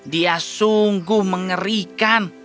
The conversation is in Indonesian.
dia sungguh mengerikan